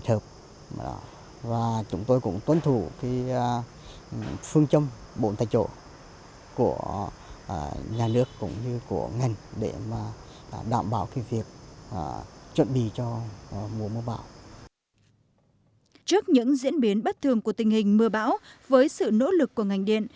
trước những diễn biến bất thường của tình hình mưa bão với sự nỗ lực của ngành điện